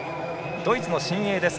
ドイツの新鋭です。